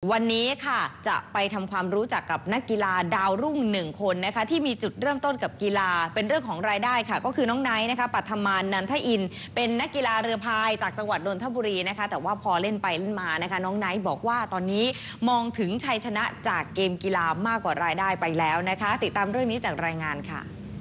วันนี้ค่ะจะไปทำความรู้จักกับนักกีฬาดาวรุ่งหนึ่งคนนะคะที่มีจุดเริ่มต้นกับกีฬาเป็นเรื่องของรายได้ค่ะก็คือน้องไนท์นะคะปัธมานนันทอินเป็นนักกีฬาเรือพายจากจังหวัดนทบุรีนะคะแต่ว่าพอเล่นไปเล่นมานะคะน้องไนท์บอกว่าตอนนี้มองถึงชัยชนะจากเกมกีฬามากกว่ารายได้ไปแล้วนะคะติดตามเรื่องนี้จากรายงานค่ะ